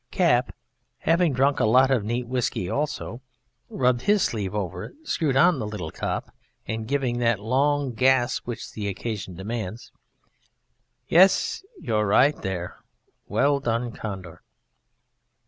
Cap (_having drunk a lot of neat whisky also, rubbed his sleeve over it, screwed on the little top and giving that long gasp which the occasion demands_): Yes, you're right there "Well done. Condor."